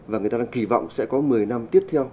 và người ta đang kỳ vọng sẽ có một mươi năm tiếp theo